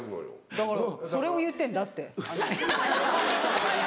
だからそれを言ってんだって。